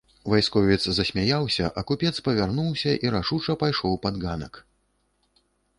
Вайсковец засмяяўся, а купец павярнуўся і рашуча пайшоў пад ганак.